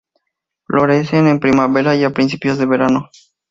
Florecen en primavera y a principios de verano.